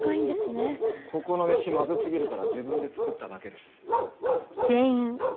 ここの飯まずすぎるから自分で作っただけです。